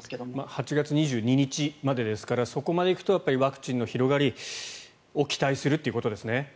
８月２２日までですからそこまで行くとワクチンの広がりを期待するということですね。